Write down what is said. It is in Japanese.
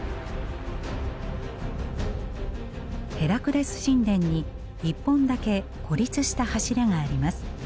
ヘラクレス神殿に一本だけ孤立した柱があります。